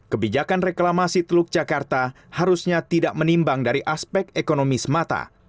kebijakan reklamasi teluk jakarta harusnya tidak menimbang dari aspek ekonomi semata